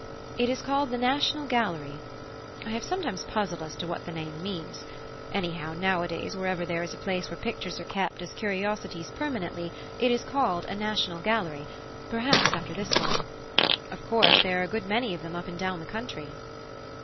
It is called the National Gallery; I have sometimes puzzled as to what the name means: anyhow, nowadays wherever there is a place where pictures are kept as curiosities permanently it is called a National Gallery, perhaps after this one. Of course there are a good many of them up and down the country."